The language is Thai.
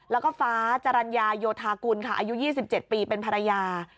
แล้วก็ฟ้าจรัญญาโยธากุลค่ะอายุ๒๗ปีเป็นภรรยา